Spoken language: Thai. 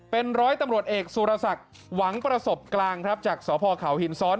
เป็นร้อยตำรวจเอกสุรสักหวังประสบกลางจากสคหินซ้อน